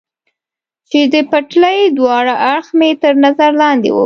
چې د پټلۍ دواړه اړخه مې تر نظر لاندې و.